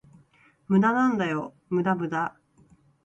無駄なんだよ、無駄無駄